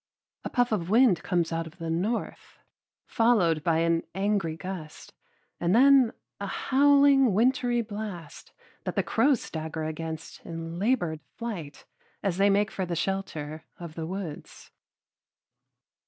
A puff of wind comes out of the north, followed by an angry gust, and then a howling wintry blast that the crows stagger against in labored flight as they make for the shelter of the woods.